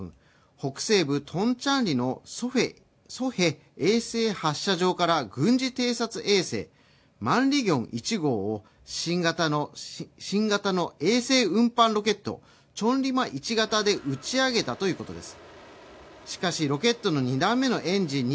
北西部トンチャンリのソヘ衛星発射場から軍事偵察衛星マンリギョン１号を新型の衛星運搬ロケットチョンリマ１型で打ち上げたということです。